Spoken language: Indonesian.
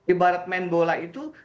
ibarat main bola itu